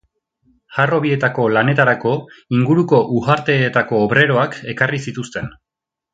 Harrobietako lanetarako inguruko uharteetako obreroak ekarri zituzten.